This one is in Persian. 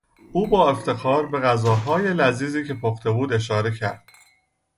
او با افتخار به غذاهای لذیذی که پخته بود اشاره کرد.